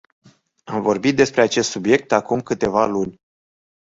Am vorbit despre acest subiect acum câteva luni.